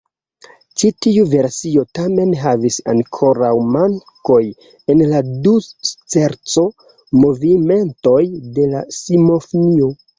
Ĉi tiu versio tamen havis ankoraŭ mankoj en la du skerco-movimentoj de la simfonio.